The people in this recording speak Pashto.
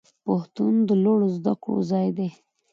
پوهنتون د لوړو زده کړو ځای دی